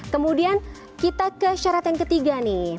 kemudian kita ke syarat yang ketiga nih